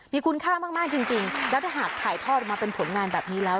มีคุณค่ามากจริงแล้วถ้าหากถ่ายทอดออกมาเป็นผลงานแบบนี้แล้ว